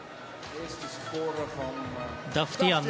ダフティアン